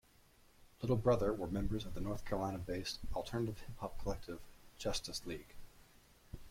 Little Brother were members of the North Carolina-based alternative hip hop collective, Justus League.